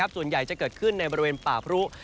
ส่วนใหญ่จะเกิดขึ้นในบริเวณป่าพรุ